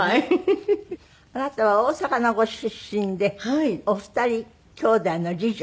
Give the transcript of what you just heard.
あなたは大阪のご出身でお二人姉妹の次女。